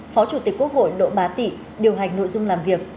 phó chủ tịch quốc hội đỗ bá tị điều hành nội dung làm việc